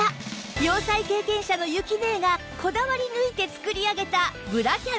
洋裁経験者のゆきねえがこだわりぬいて作り上げたブラキャミ